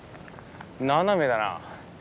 斜めだな。